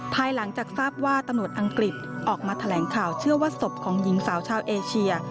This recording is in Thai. ภายหลังจากทราบว่าตำรวจอังกฤษออกมาแถลงข่าวเชื่อว่าศพของหญิงสาวชาวเอเชีย